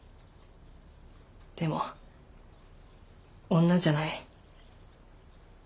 でも女じゃない。